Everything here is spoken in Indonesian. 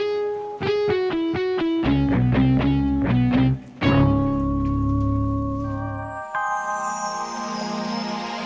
sampai jumpa lagi